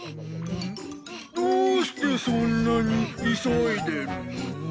どうしてそんなに急いでるの？